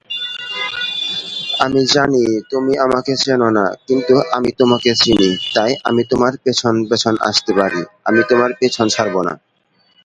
It broadcasts in Spanish, and plays Bachata, Merengue, Salsa and Pop music.